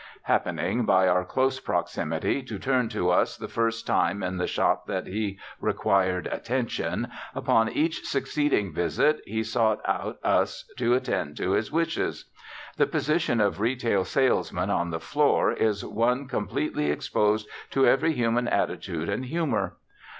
Happening, by our close proximity, to turn to us the first time in the shop that he required attention, upon each succeeding visit he sought out us to attend to his wishes. The position of retail salesman "on the floor" is one completely exposed to every human attitude and humour.